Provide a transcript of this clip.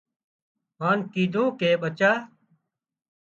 هانَ ڪيڌون ڪي ٻچا